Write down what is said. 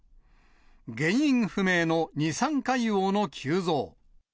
原因不明の二酸化硫黄の急増。